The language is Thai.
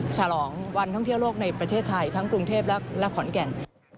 ฉลองวันท่องเที่ยวโลกในประเทศไทยทั้งกรุงเทพและขอนแก่น